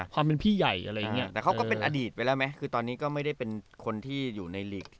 ความเป็นพี่ใหญ่อะไรอย่างนี้แต่เขาก็เป็นอดีตไปแล้วไหมคือตอนนี้ก็ไม่ได้เป็นคนที่อยู่ในหลีก